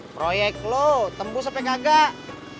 proyek lo tembus sampai ngagak